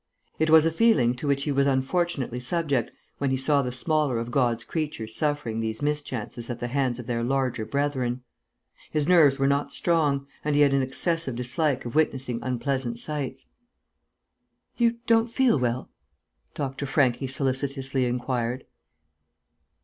It was a feeling to which he was unfortunately subject when he saw the smaller of God's creatures suffering these mischances at the hands of their larger brethren. His nerves were not strong, and he had an excessive dislike of witnessing unpleasant sights. "You don't feel well?" Dr. Franchi solicitously inquired.